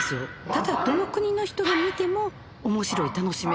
ただどの国の人が見ても面白い楽しめる。